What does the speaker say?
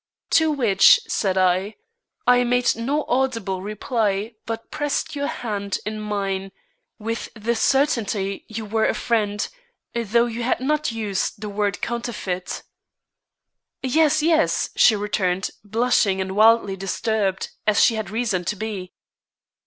"To which," said I, "I made no audible reply, but pressed your hand in mine, with the certainty you were a friend though you had not used the word 'Counterfeit.'" "Yes, yes," she returned, blushing and wildly disturbed, as she had reason to be.